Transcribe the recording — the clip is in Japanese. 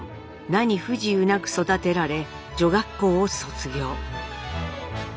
何不自由なく育てられ女学校を卒業。